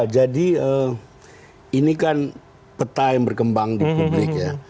jadi ini kan peta yang berkembang di publik ya